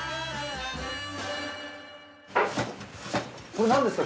これ何ですか？